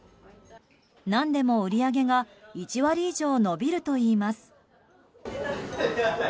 何でも売り上げが１割以上伸びるといいます。